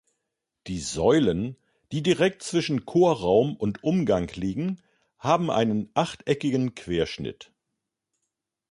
Die Säulen, die direkt zwischen Chorraum und Umgang liegen, haben einen achteckigen Querschnitt.